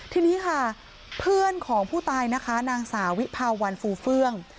ทีนี้ค่ะเพื่อนของผู้ตายนะคะนางสาวิภาวันฟูเฟื่อง